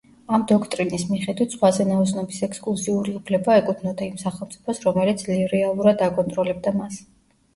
ამ დოქტრინის მიხედვით ზღვაზე ნაოსნობის ექსკლუზიური უფლება ეკუთვნოდა იმ სახელმწიფოს, რომელიც რეალურად აკონტროლებდა მას.